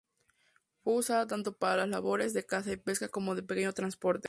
Fue usada tanto para las labores de caza y pesca, como de pequeño transporte.